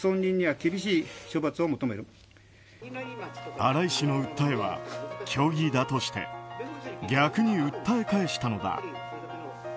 新井氏の訴えは虚偽だとして逆に訴え返したのだ。